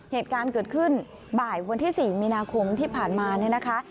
เหตุการณ์เกิดขึ้นบ่ายวันที่๔มีนาคมที่ผ่านมาเนี่ยนะคะ